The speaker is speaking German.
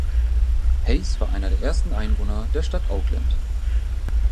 Hays war einer der ersten Einwohner der Stadt Oakland.